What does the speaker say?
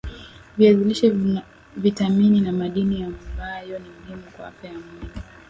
viazi lishe vitamini na madini ambayo ni muhimu kwa afya ya mwili